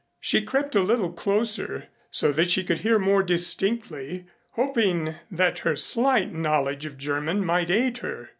She crept a little closer so that she could hear more distinctly, hoping that her slight knowledge of German might aid her.